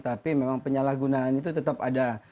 tapi memang penyalahgunaan itu tetap ada